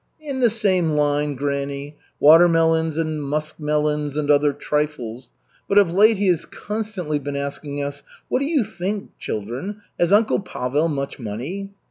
"In the same line, granny. Watermelons and muskmelons and other trifles. But of late he has constantly been asking us, 'What do you think, children, has uncle Pavel much money?'